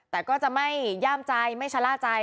แต่ก็จะไม่ย่ามใจไม่ชะล่าใจ